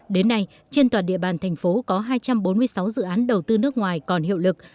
đến nay trên toàn địa bàn thành phố có hai trăm bốn mươi sáu dự án đầu tư nước ngoài còn hiệu lực